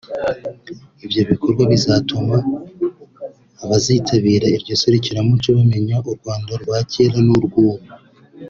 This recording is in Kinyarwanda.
Ibyo bikorwa bizatuma abazitabira iryo serukiramuco bamenya u Rwanda rwa kera n’urw’ubu